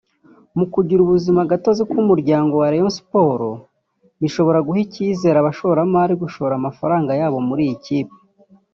Kugira ubuzima gatozi k’umuryango wa Rayon Sports bishobora guha icyizere abashoramari gushora amafaranga yabo muri iyi kipe